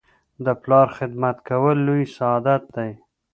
د پلار خدمت کول لوی سعادت دی.